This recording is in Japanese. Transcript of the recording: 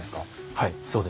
はいそうです。